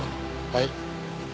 はい。